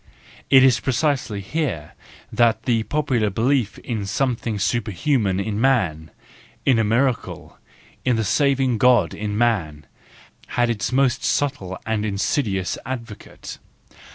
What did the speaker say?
It is precisely here that the popular belief in some¬ thing superhuman in man, in a miracle, in the saving God in man, has its most subtle and insidi¬ ous advocate.